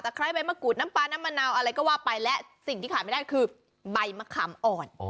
คล้ายใบมะกรูดน้ำปลาน้ำมะนาวอะไรก็ว่าไปและสิ่งที่ขาดไม่ได้คือใบมะขามอ่อน